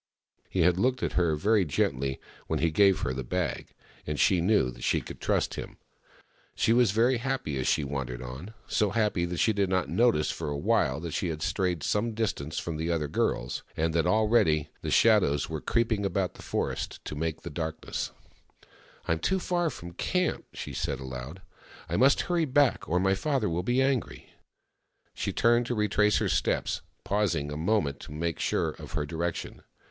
He had looked at her very gently when he gave her the bag, and she knew that she could trust him. She was very happy as she wandered on — so happy that she did not notice for a while that she had strayed some distance from the other girls, and that already THE MAIDEN WHO FOUND THE MOON 141 the shadows were creeping about the forest to make the darkness. " I am too far from camp," she said aloud. " I must hurry back, or my father will be angry." She turned to retrace her steps, pausing a moment to make sure of her direction.